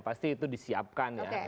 pasti itu disiapkan ya